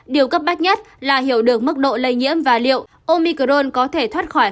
điều cấp bách nhất là hiểu được mức độ lây nhiễm và liệu omicron có thể thoát khỏi